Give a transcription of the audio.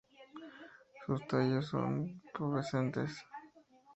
Sus tallos son pubescentes.